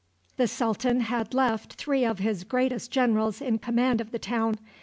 The sultan had left three of his greatest generals in command of the town.